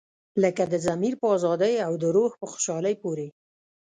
لکه د ضمیر په ازادۍ او د روح په خوشحالۍ پورې.